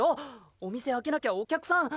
お店開けなきゃお客さん。